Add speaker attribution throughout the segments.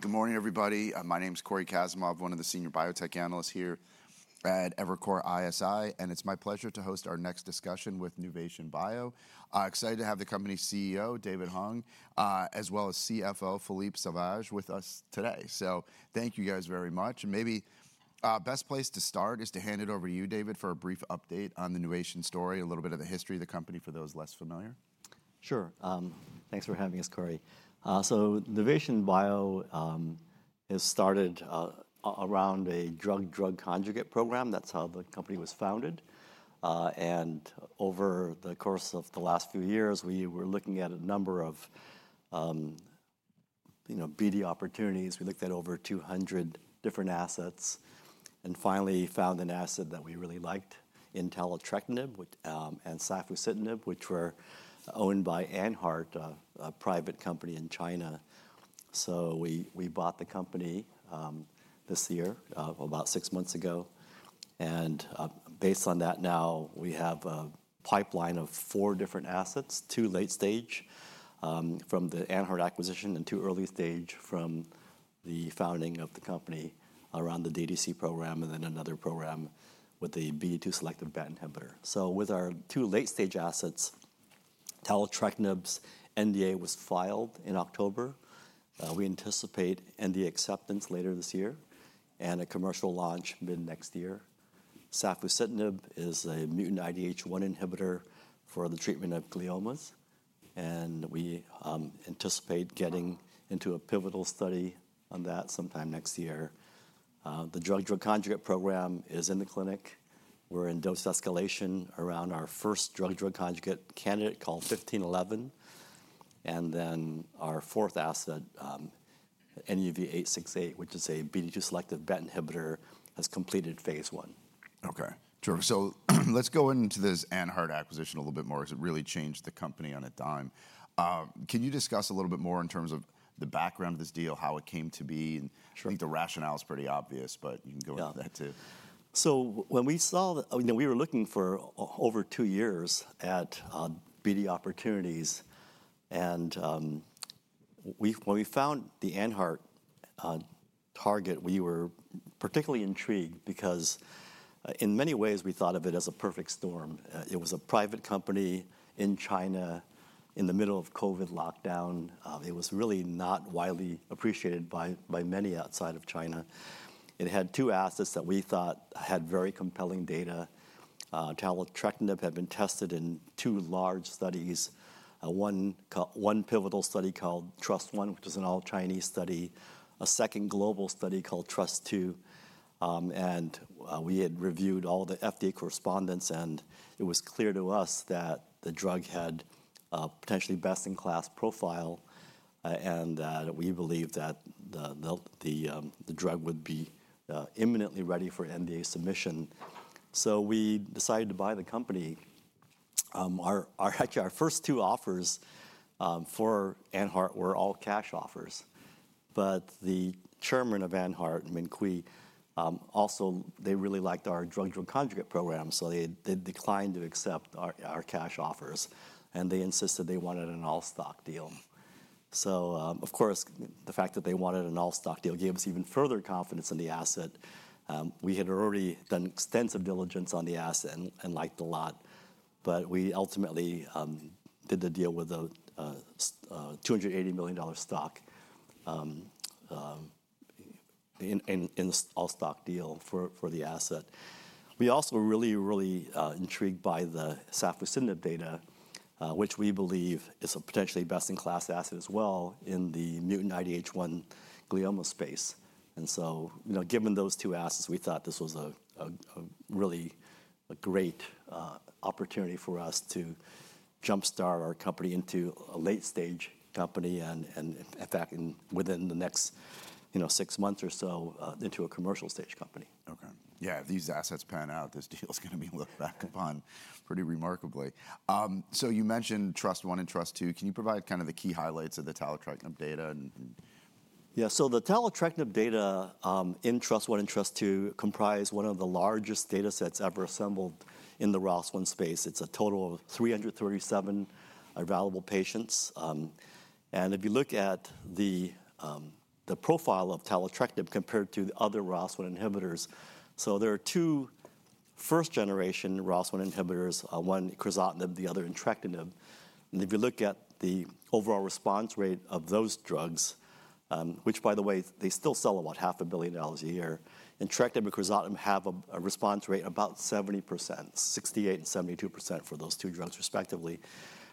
Speaker 1: Good morning, everybody. My name is Cory Kasimov, one of the senior biotech analysts here at Evercore ISI, and it's my pleasure to host our next discussion with Nuvation Bio. Excited to have the company's CEO, David Hung, as well as CFO, Philippe Sauvage, with us today. So thank you guys very much. And maybe the best place to start is to hand it over to you, David, for a brief update on the Nuvation story, a little bit of the history of the company for those less familiar.
Speaker 2: Sure. Thanks for having us, Cory. So Nuvation Bio has started around a drug-drug conjugate program. That's how the company was founded. And over the course of the last few years, we were looking at a number of BD opportunities. We looked at over 200 different assets and finally found an asset that we really liked, taletrectinib and safusidenib, which were owned by AnHeart, a private company in China. So we bought the company this year, about six months ago. And based on that, now we have a pipeline of four different assets: two late-stage from the AnHeart acquisition and two early-stage from the founding of the company around the DDC program and then another program with the BD2 selective BET inhibitor. So with our two late-stage assets, taletrectinib's NDA was filed in October. We anticipate NDA acceptance later this year and a commercial launch mid-next year. Safusidenib is a mutant IDH1 inhibitor for the treatment of gliomas, and we anticipate getting into a pivotal study on that sometime next year. The drug-drug conjugate program is in the clinic. We're in dose escalation around our first drug-drug conjugate candidate called 1511. And then our fourth asset, NUV-868, which is a BD2-selective BET inhibitor, has completed phase one.
Speaker 1: Okay. Sure. So let's go into this AnHeart acquisition a little bit more. It really changed the company on its dime. Can you discuss a little bit more in terms of the background of this deal, how it came to be? I think the rationale is pretty obvious, but you can go into that too.
Speaker 2: When we saw that we were looking for over two years at BD opportunities, and when we found the AnHeart target, we were particularly intrigued because in many ways, we thought of it as a perfect storm. It was a private company in China in the middle of COVID lockdown. It was really not widely appreciated by many outside of China. It had two assets that we thought had very compelling data. Taletrectinib had been tested in two large studies: one pivotal study called TRUST-I, which was an all-Chinese study, a second global study called TRUST-II. And we had reviewed all the FDA correspondence, and it was clear to us that the drug had a potentially best-in-class profile and that we believed that the drug would be imminently ready for NDA submission. So we decided to buy the company. Actually, our first two offers for AnHeart were all cash offers. But the chairman of AnHeart, Min Cui, also really liked our drug-drug conjugate program, so they declined to accept our cash offers, and they insisted they wanted an all-stock deal. So, of course, the fact that they wanted an all-stock deal gave us even further confidence in the asset. We had already done extensive diligence on the asset and liked a lot, but we ultimately did the deal with a $280 million stock in this all-stock deal for the asset. We also were really, really intrigued by the safusidenib data, which we believe is a potentially best-in-class asset as well in the mutant IDH1 glioma space. And so, given those two assets, we thought this was a really great opportunity for us to jumpstart our company into a late-stage company and, in fact, within the next six months or so, into a commercial-stage company.
Speaker 1: Okay. Yeah. If these assets pan out, this deal is going to be looked back upon pretty remarkably. So you mentioned TRUST-I and TRUST-II. Can you provide kind of the key highlights of the taletrectinib data?
Speaker 2: Yeah. So the taletrectinib data in TRUST-I and TRUST-II comprise one of the largest data sets ever assembled in the ROS1 space. It's a total of 337 available patients. And if you look at the profile of taletrectinib compared to the other ROS1 inhibitors, so there are two first-generation ROS1 inhibitors, one crizotinib, the other entrectinib. And if you look at the overall response rate of those drugs, which, by the way, they still sell about $500 million a year, entrectinib and crizotinib have a response rate of about 70%, 68% and 72% for those two drugs respectively.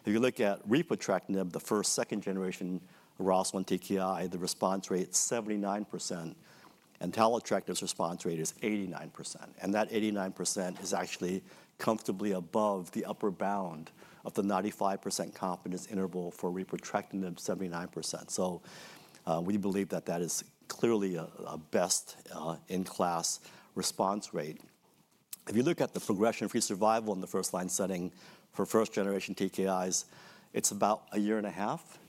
Speaker 2: If you look at repotrectinib, the first, second-generation ROS1 TKI, the response rate is 79%, and taletrectinib's response rate is 89%. And that 89% is actually comfortably above the upper bound of the 95% confidence interval for repotrectinib, 79%. So we believe that that is clearly a best-in-class response rate. If you look at the progression-free survival in the first-line setting for first-generation TKIs, it's about a year and a half.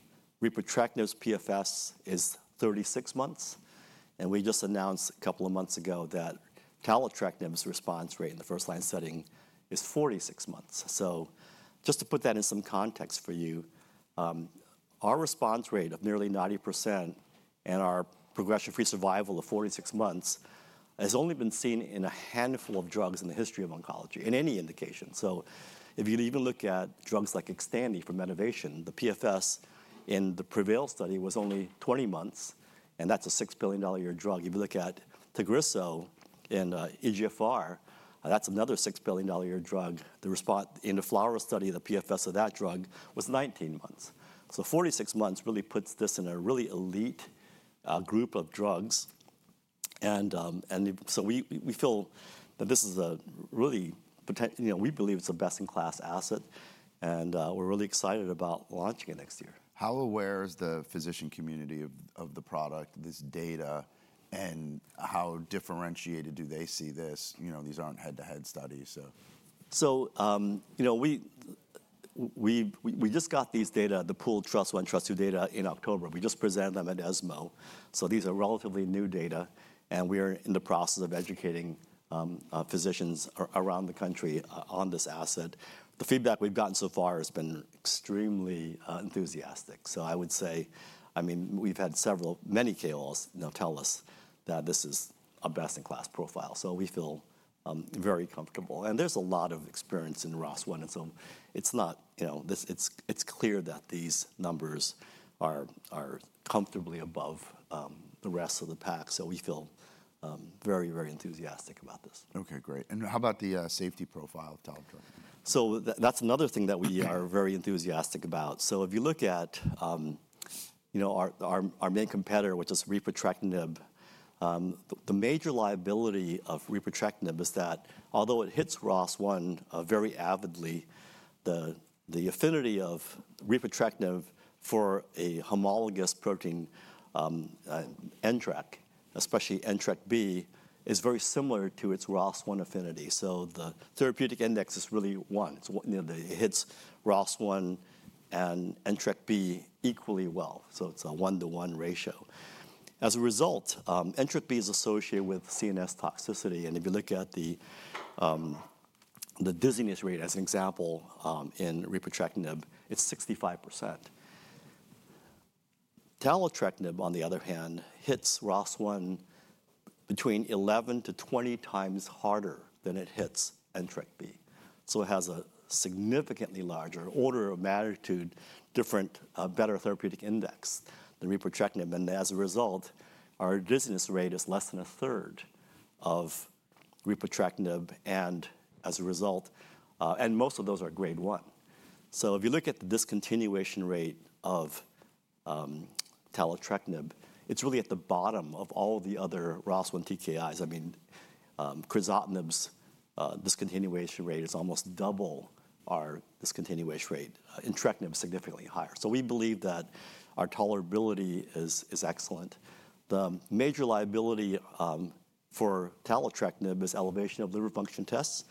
Speaker 2: Repotrectinib's PFS is 36 months, and we just announced a couple of months ago that taletrectinib's response rate in the first-line setting is 46 months. So just to put that in some context for you, our response rate of nearly 90% and our progression-free survival of 46 months has only been seen in a handful of drugs in the history of oncology, in any indication. So if you even look at drugs like XTANDI from Medivation, the PFS in the PREVAIL study was only 20 months, and that's a $6 billion a year drug. If you look at TAGRISSO in eGFR, that's another $6 billion a year drug. In the FLAURA study, the PFS of that drug was 19 months. So 46 months really puts this in a really elite group of drugs. And so we feel that this is a really, we believe it's a best-in-class asset, and we're really excited about launching it next year.
Speaker 1: How aware is the physician community of the product, this data, and how differentiated do they see this? These aren't head-to-head studies, so.
Speaker 2: So we just got these data, the pooled TRUST-I and TRUST-II data in October. We just presented them at ESMO. So these are relatively new data, and we are in the process of educating physicians around the country on this asset. The feedback we've gotten so far has been extremely enthusiastic. So I would say, I mean, we've had several, many KOLs now tell us that this is a best-in-class profile. So we feel very comfortable. And there's a lot of experience in ROS1, and so it's not, it's clear that these numbers are comfortably above the rest of the pack. So we feel very, very enthusiastic about this.
Speaker 1: Okay. Great. And how about the safety profile of taletrectinib?
Speaker 2: That's another thing that we are very enthusiastic about. If you look at our main competitor, which is repotrectinib, the major liability of repotrectinib is that although it hits ROS1 very avidly, the affinity of repotrectinib for a homologous protein, NTRK, especially TRKB, is very similar to its ROS1 affinity. So the therapeutic index is really one. It hits ROS1 and NTRKB equally well. So it's a one-to-one ratio. As a result, NTRKB is associated with CNS toxicity. And if you look at the dizziness rate as an example in repotrectinib, it's 65%. Taletrectinib, on the other hand, hits ROS1 between 11x-20x harder than it hits NTRKB. So it has a significantly larger, order of magnitude different, better therapeutic index than repotrectinib. As a result, our dizziness rate is less than a third of Repotrectinib, and as a result, most of those are grade one. So if you look at the discontinuation rate of taletrectinib, it's really at the bottom of all the other ROS1 TKIs. I mean, crizotinib's discontinuation rate is almost double our discontinuation rate. Entrectinib is significantly higher. So we believe that our tolerability is excellent. The major liability for taletrectinib is elevation of liver function tests.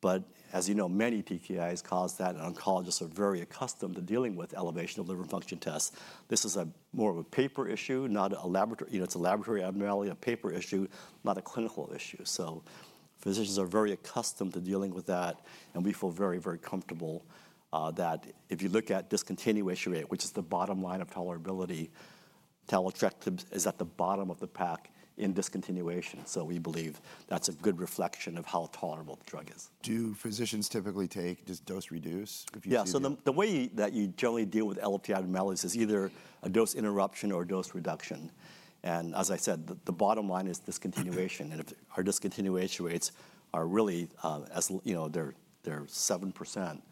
Speaker 2: But as you know, many TKIs cause that, and oncologists are very accustomed to dealing with elevation of liver function tests. This is more of a paper issue, not a laboratory. It's a laboratory abnormality, a paper issue, not a clinical issue. So physicians are very accustomed to dealing with that, and we feel very, very comfortable that if you look at discontinuation rate, which is the bottom line of tolerability, taletrectinib is at the bottom of the pack in discontinuation. So we believe that's a good reflection of how tolerable the drug is.
Speaker 1: Do physicians typically take just dose-reduce?
Speaker 2: Yeah. So the way that you generally deal with LFT abnormalities is either a dose interruption or a dose reduction. And as I said, the bottom line is discontinuation. And if our discontinuation rates are really, they're 7%.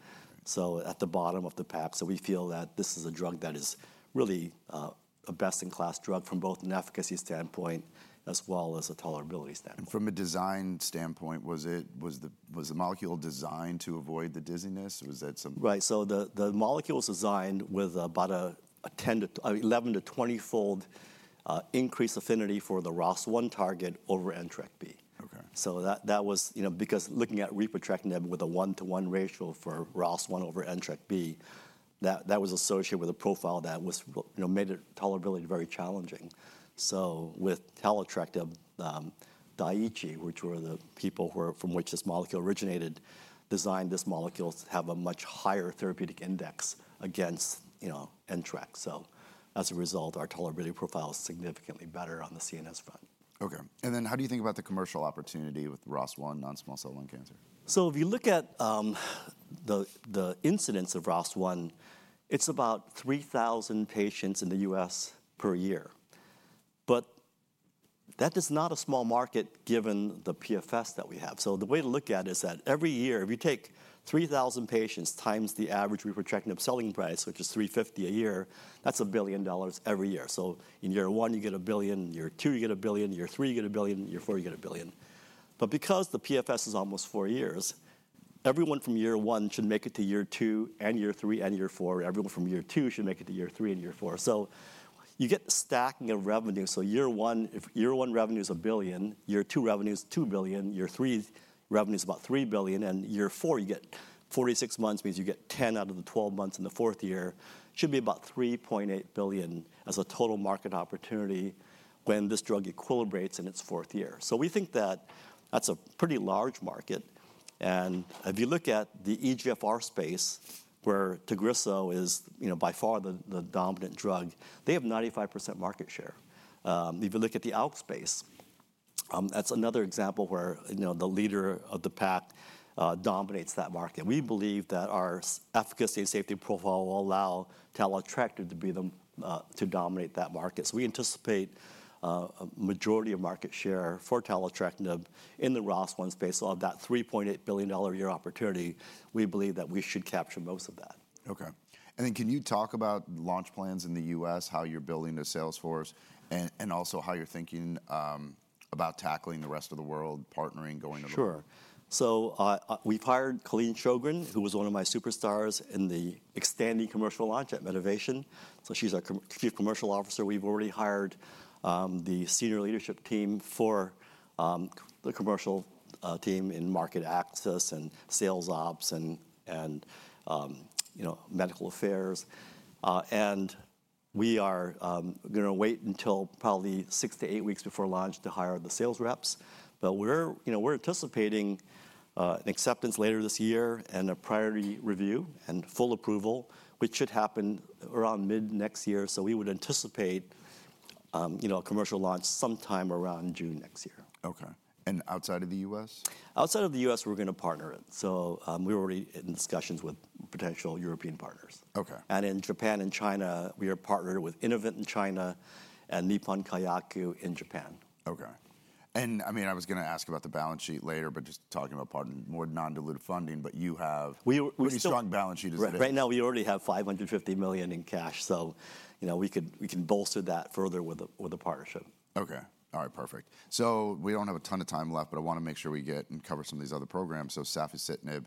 Speaker 2: So at the bottom of the pack. So we feel that this is a drug that is really a best-in-class drug from both an efficacy standpoint as well as a tolerability standpoint.
Speaker 1: From a design standpoint, was the molecule designed to avoid the dizziness? Was that something?
Speaker 2: Right. So the molecule was designed with about an 11- to 20-fold increased affinity for the ROS1 target over NTRKB. So that was because looking at repotrectinib with a one-to-one ratio for ROS1 over NTRKB, that was associated with a profile that made tolerability very challenging. So with taletrectinib, Daiichi, which were the people from which this molecule originated, designed this molecule to have a much higher therapeutic index against NTRK. So as a result, our tolerability profile is significantly better on the CNS front.
Speaker 1: Okay. And then how do you think about the commercial opportunity with ROS1 non-small cell lung cancer?
Speaker 2: So if you look at the incidence of ROS1, it's about 3,000 patients in the U.S. per year. But that is not a small market given the PFS that we have. So the way to look at it is that every year, if you take 3,000 patients times the average repotrectinib selling price, which is $350 a year, that's a billion dollars every year. So in year one, you get a billion. Year two, you get a billion. Year three, you get a billion. Year four, you get a billion. But because the PFS is almost four years, everyone from year one should make it to year two and year three and year four. Everyone from year two should make it to year three and year four. So you get stacking of revenue. So year one, if year one revenue is a billion, year two revenue is $2 billion, year three revenue is about $3 billion, and year four, you get 46 months, means you get 10 out of the 12 months in the fourth year, should be about $3.8 billion as a total market opportunity when this drug equilibrates in its fourth year. So we think that that's a pretty large market. And if you look at the eGFR space, where TAGRISSO is by far the dominant drug, they have 95% market share. If you look at the ALK space, that's another example where the leader of the pack dominates that market. We believe that our efficacy and safety profile will allow taletrectinib to dominate that market. So we anticipate a majority of market share for taletrectinib in the ROS1 space. So of that $3.8 billion a year opportunity, we believe that we should capture most of that.
Speaker 1: Okay. And then can you talk about launch plans in the U.S., how you're building the sales force, and also how you're thinking about tackling the rest of the world, partnering, going to the market?
Speaker 2: Sure. So we've hired Colleen Sjogren, who was one of my superstars in the XTANDI commercial launch at Medivation. So she's our Chief Commercial Officer. We've already hired the senior leadership team for the commercial team in market access and sales ops and medical affairs. And we are going to wait until probably six to eight weeks before launch to hire the sales reps. But we're anticipating an acceptance later this year and a priority review and full approval, which should happen around mid next year. So we would anticipate a commercial launch sometime around June next year.
Speaker 1: Okay, and outside of the U.S.?
Speaker 2: Outside of the U.S., we're going to partner it. So we're already in discussions with potential European partners. And in Japan and China, we are partnered with Innovent in China and Nippon Kayaku in Japan.
Speaker 1: Okay. And I mean, I was going to ask about the balance sheet later, but just talking about more non-dilutive funding, but you have a pretty strong balance sheet as it is.
Speaker 2: Right now, we already have $550 million in cash. So we can bolster that further with a partnership.
Speaker 1: Okay. All right. Perfect. So we don't have a ton of time left, but I want to make sure we get and cover some of these other programs. So safusidenib,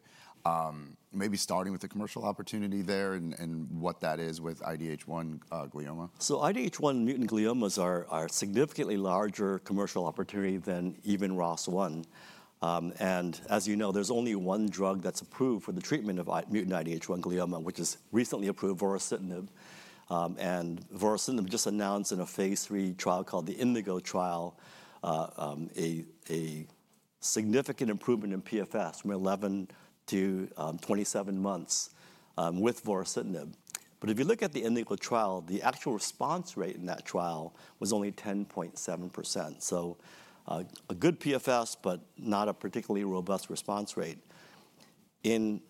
Speaker 1: maybe starting with the commercial opportunity there and what that is with IDH1 glioma?
Speaker 2: IDH1 mutant gliomas are a significantly larger commercial opportunity than even ROS1. And as you know, there's only one drug that's approved for the treatment of mutant IDH1 glioma, which is recently approved, vorasidenib. And vorasidenib just announced in a phase III trial called the INDIGO trial a significant improvement in PFS from 11 to 27 months with vorasidenib. But if you look at the INDIGO trial, the actual response rate in that trial was only 10.7%. So a good PFS, but not a particularly robust response rate. In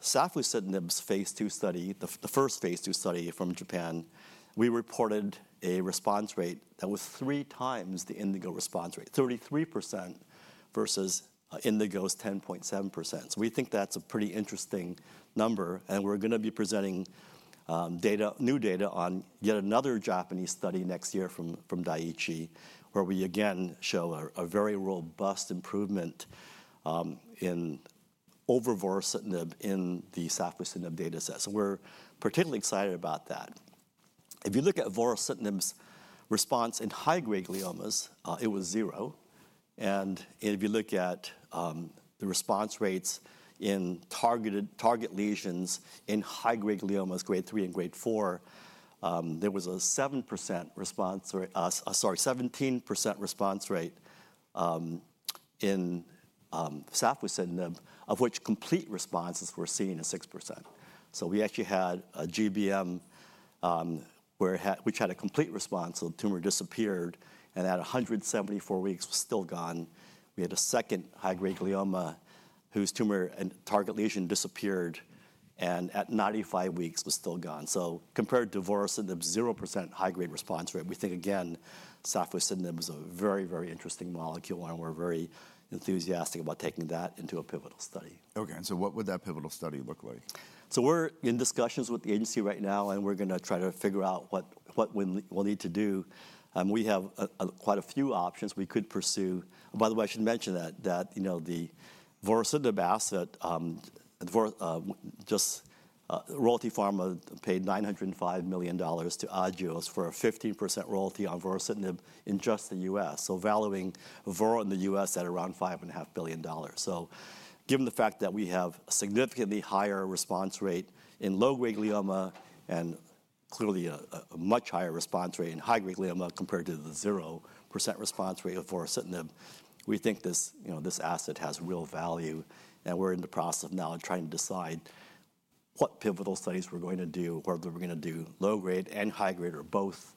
Speaker 2: safusidenib's phase II study, the first phase II study from Japan, we reported a response rate that was 3x the INDIGO response rate, 33% versus INDIGO's 10.7%. So we think that's a pretty interesting number. We're going to be presenting new data on yet another Japanese study next year from Daiichi, where we again show a very robust improvement over vorasidenib in the safusidenib dataset. We're particularly excited about that. If you look at vorasidenib's response in high-grade gliomas, it was zero. If you look at the response rates in target lesions in high-grade gliomas, grade three and grade four, there was a 7% response, sorry, 17% response rate in safusidenib, of which complete responses were seen at 6%. We actually had a GBM, which had a complete response, so the tumor disappeared, and at 174 weeks, was still gone. We had a second high-grade glioma whose tumor and target lesion disappeared, and at 95 weeks, was still gone. Compared to vorasidenib, 0% high-grade response rate, we think again, safusidenib is a very, very interesting molecule, and we're very enthusiastic about taking that into a pivotal study.
Speaker 1: Okay, and so what would that pivotal study look like?
Speaker 2: We're in discussions with the agency right now, and we're going to try to figure out what we'll need to do. We have quite a few options we could pursue. By the way, I should mention that the vorasidenib asset, just Royalty Pharma paid $905 million to Agios for a 15% royalty on vorasidenib in just the US, so valuing vorasidenib in the US at around $5.5 billion. So given the fact that we have a significantly higher response rate in low-grade glioma and clearly a much higher response rate in high-grade glioma compared to the 0% response rate of vorasidenib, we think this asset has real value. And we're in the process of now trying to decide what pivotal studies we're going to do, whether we're going to do low-grade and high-grade or both.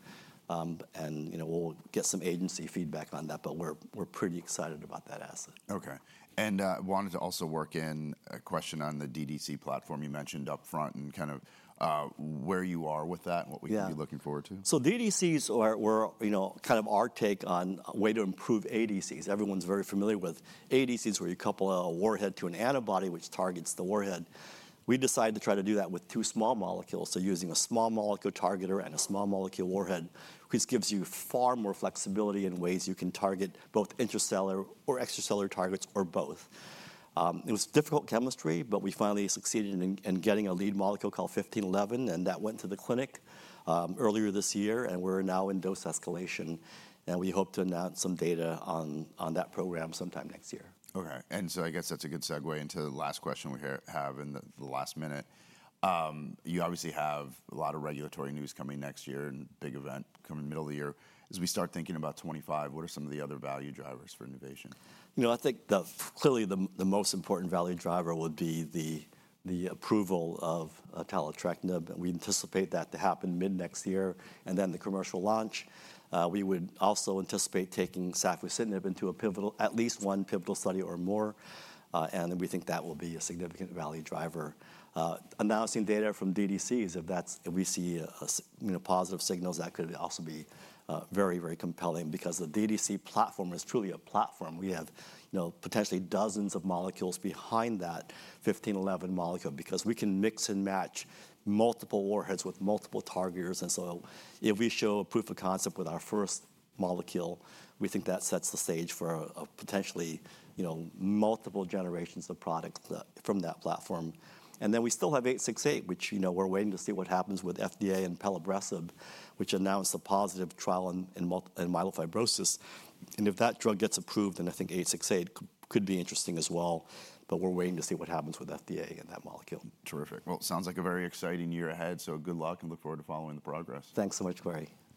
Speaker 2: We'll get some agency feedback on that, but we're pretty excited about that asset.
Speaker 1: Okay, and I wanted to also work in a question on the DDC platform you mentioned upfront and kind of where you are with that and what we can be looking forward to.
Speaker 2: Yeah. So DDCs were kind of our take on a way to improve ADCs. Everyone's very familiar with ADCs, where you couple a warhead to an antibody, which targets the warhead. We decided to try to do that with two small molecules. So using a small molecule target and a small molecule warhead, which gives you far more flexibility in ways you can target both intracellular or extracellular targets or both. It was difficult chemistry, but we finally succeeded in getting a lead molecule called NUV-1511, and that went to the clinic earlier this year, and we're now in dose escalation. And we hope to announce some data on that program sometime next year.
Speaker 1: Okay. And so I guess that's a good segue into the last question we have in the last minute. You obviously have a lot of regulatory news coming next year, and big event coming in the middle of the year. As we start thinking about 2025, what are some of the other value drivers for Nuvation?
Speaker 2: You know, I think clearly the most important value driver would be the approval of taletrectinib, and we anticipate that to happen mid next year and then the commercial launch. We would also anticipate taking safusidenib into at least one pivotal study or more. And we think that will be a significant value driver. Announcing data from DDCs, if we see positive signals, that could also be very, very compelling because the DDC platform is truly a platform. We have potentially dozens of molecules behind that 1511 molecule because we can mix and match multiple warheads with multiple targeters. And so if we show a proof of concept with our first molecule, we think that sets the stage for potentially multiple generations of products from that platform. And then we still have 868, which we're waiting to see what happens with FDA and pelabresib, which announced a positive trial in myelofibrosis. And if that drug gets approved, then I think 868 could be interesting as well. But we're waiting to see what happens with FDA and that molecule.
Speaker 1: Terrific. Well, it sounds like a very exciting year ahead. So good luck and look forward to following the progress.
Speaker 2: Thanks so much, Cory.